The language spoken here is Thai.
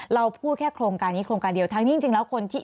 เราพูดแค่โครงการนี้โครงการเดียวทั้งนี้จริงแล้วคนที่